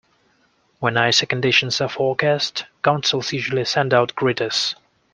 When icy conditions are forecast, councils usually send out gritters.